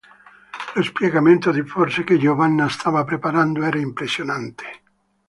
Lo spiegamento di forze che Giovanna stava preparando era impressionante.